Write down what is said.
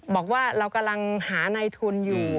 บอกว่าเรากำลังหาในทุนอยู่